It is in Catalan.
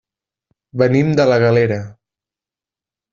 Venim de la Galera.